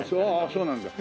そうなんだ。